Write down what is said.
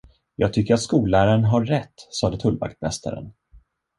Jag tycker att skollärarn har rätt, sade tullvaktmästaren.